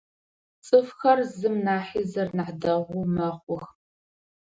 Цӏыфхэр зым нахьи зыр нахь дэгъу мэхъух.